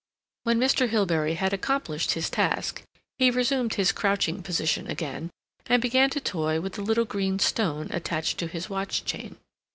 When Mr. Hilbery had accomplished his task, he resumed his crouching position again, and began to toy with the little green stone attached to his watch chain.